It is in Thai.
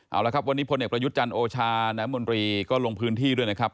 เอาละครับวันนี้พลเอกประยุทธ์จันทร์โอชาน้ำมนตรีก็ลงพื้นที่ด้วยนะครับ